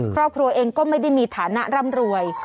ครอบครัวเองก็ไม่ได้มีฐานะร่ำรวย